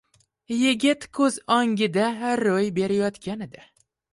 Yigit ko‘z o‘ngida ro‘y berayotgan edi.